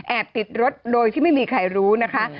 แอบติดรถโดยไม่มีใครรู้นะคะ